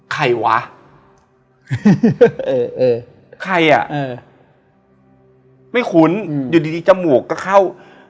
ใครวะใครอ่ะไม่คุ้นอยู่ดีจมูกก็เข้า